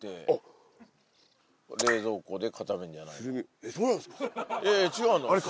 ・えっそうなんですか？